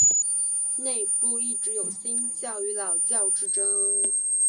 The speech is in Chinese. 内部一直有新教与老教之争。